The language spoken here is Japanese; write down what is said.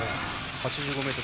８５ｍ。